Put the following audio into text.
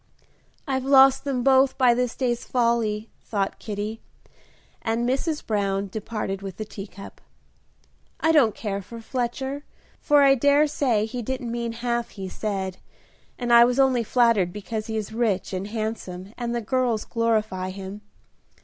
"I've lost them both by this day's folly," thought Kitty, as Mrs. Brown departed with the teacup. "I don't care for Fletcher, for I dare say he didn't mean half he said, and I was only flattered because he is rich and handsome and the girls glorify him.